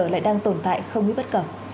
lại đang tồn tại không biết bất cập